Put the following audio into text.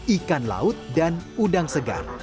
ikan laut dan udang segar